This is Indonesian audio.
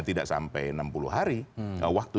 tidak sampai enam puluh hari waktu